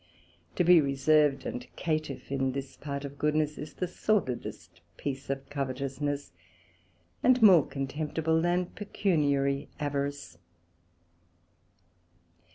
To be reserved and caitiff in this part of goodness, is the sordidest piece of covetousness, and more contemptible than pecuniary Avarice.